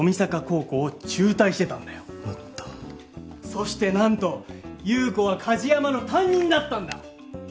そして何と優子は梶山の担任だったんだ！